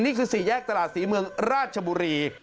นี่คือสี่แยกตลาดสีเมืองราชบุรี